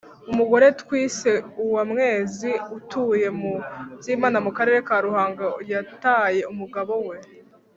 umugore twise uwamwezi utuye mu byimana mu karere ka ruhango yataye umugabo we